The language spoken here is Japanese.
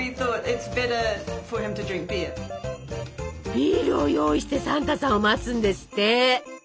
ビールを用意してサンタさんを待つんですって！